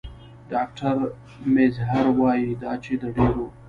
ډاکټر میزهر وايي دا چې د ډېرو